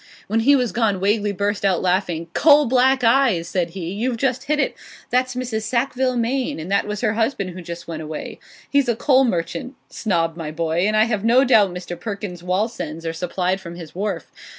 When he was gone Wagley burst out laughing. 'COAL BLACK eyes!' said he; 'you've just hit it. That's Mrs. Sackville Maine, and that was her husband who just went away. He's a coal merchant, Snob my boy, and I have no doubt Mr. Perkins's Wallsends are supplied from his wharf.